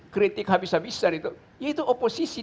kritik habis habisan itu ya itu oposisi